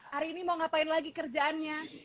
hari ini mau ngapain lagi kerjaannya